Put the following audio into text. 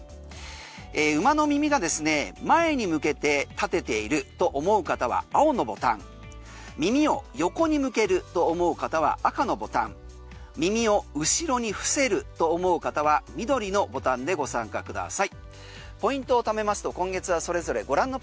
馬の耳がですね前に向けて立てていると思う方は青のボタン耳を横に向けると思う方は赤のボタン耳を後ろに伏せると思う方は緑のボタンでご参加ください。